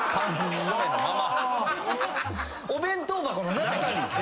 お弁当箱の中に？